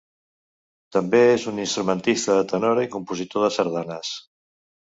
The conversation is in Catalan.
També és un instrumentista de tenora i compositor de sardanes.